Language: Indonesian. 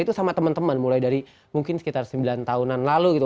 itu sama teman teman mulai dari mungkin sekitar sembilan tahunan lalu gitu